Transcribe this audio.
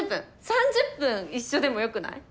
３０分一緒でもよくない？